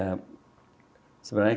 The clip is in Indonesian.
ya sebenarnya kita tidak ada keinginan